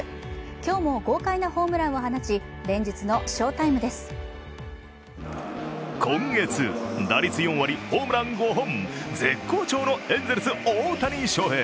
今日も豪快なホームランを放ち、今月、打率４割ホームラン５本絶好調のエンゼルス・大谷翔平。